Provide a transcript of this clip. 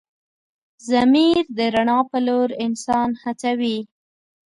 ضمیر د رڼا په لور انسان هڅوي.